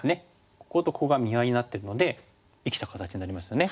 こことここが見合いになってるので生きた形になりますよね。